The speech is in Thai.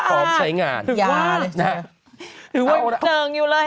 ถือว่าเจองอยู่แล้วอ่ะ